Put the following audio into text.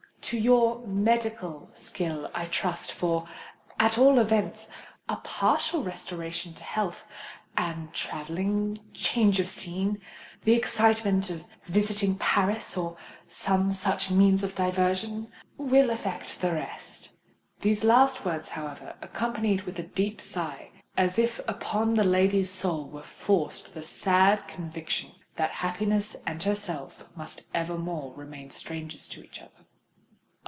To your medical skill I trust for, at all events, a partial restoration to health; and travelling—change of scene—the excitement of visiting Paris—or some such means of diversion, will effect the rest." These last words were, however, accompanied with a deep sigh—as if upon the lady's soul were forced the sad conviction that happiness and herself must evermore remain strangers to each other.